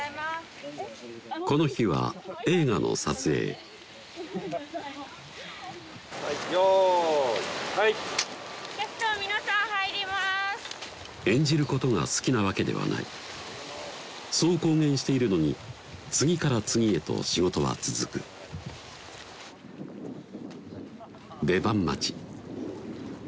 この日は映画の撮影はい用意はいキャスト皆さん入ります演じることが好きなわけではないそう公言しているのに次から次へと仕事は続く出番待ち